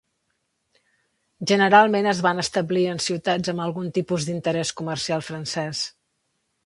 Generalment es van establir en ciutats amb algun tipus d'interès comercial francès.